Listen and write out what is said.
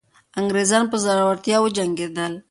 انګریزان په زړورتیا وجنګېدل.